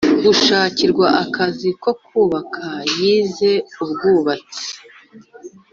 gushakirwa akazi ko kubaka yize Ubwubatsi